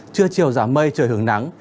trưa chiều giảm mây trời hướng nắng